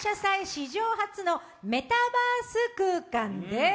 史上初のメタバース空間です。